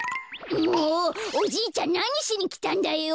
おじいちゃんなにしにきたんだよ。